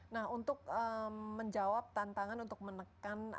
nah untuk menjawab tantangan untuk menekan atau mengeksplore